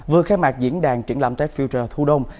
vừa khai mạc diễn đàn triển làm tết future thu đông